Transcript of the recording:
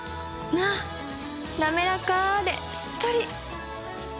なめらかでしっとり！